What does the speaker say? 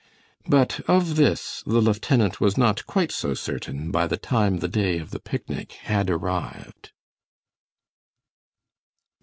But of this the lieutenant was not quite so certain by the time the day of the picnic had arrived.